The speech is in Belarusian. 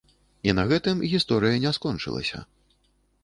І на гэтым гісторыя не скончылася.